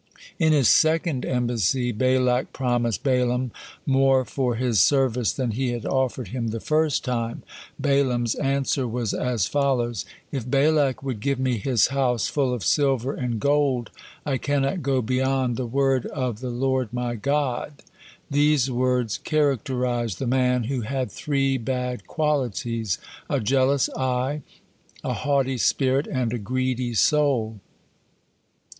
In his second embassy Balak promised Balaam more for his service than he had offered him the first time. Balaam's answer was as follows: "If Balak would give me his house full of silver and gold, I cannot go beyond the word of the Lord my God." These words characterize the man, who had three bad qualities: a jealous eye, a haughty spirit, and a greedy soul.